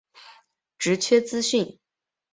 职缺资讯